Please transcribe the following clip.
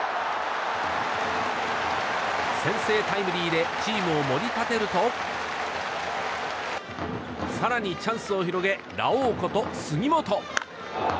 先制タイムリーでチームを盛り立てると更にチャンスを広げラオウこと杉本。